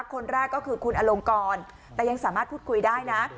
คนแรกก็คือคุณอลงกรแต่ยังสามารถพูดคุยได้นะ